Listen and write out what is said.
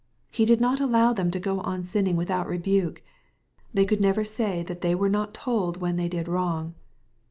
He did not allow them to go on sinning with out rebuke. They could never say that they were not told when they did wrong.